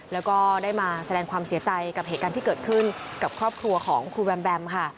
แล้วก็ได้มาแสดงความเสียใจกับเหตุการณ์ที่เกิดขึ้นกับครอบครัวของครูแบมแบมค่ะ